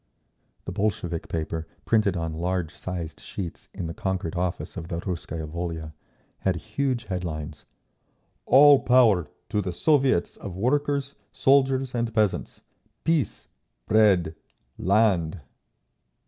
_ The Bolshevik paper, printed on large sized sheets in the conquered office of the Russkaya Volia, had huge headlines: "ALL POWER—TO THE SOVIETS OF WORKERS, SOLDIERS AND PEASANTS! PEACE! BREAD! LAND!"